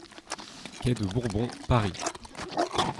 Quai de Bourbon, Paris